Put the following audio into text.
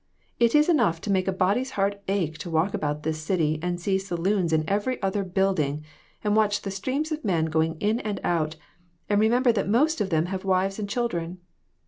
It is enough to make a body's heart ache to walk about this city and see saloons in every other building, and watch the streams of men going in and out, and remember that most of them have wives and children.